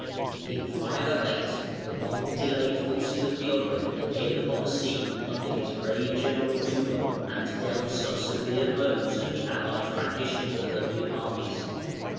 In 508 the long delayed forces of Theodoric appeared upon the scene under his brave general, Tulum, and dealt some severe blows at the allied Frankish and Burgundian armies.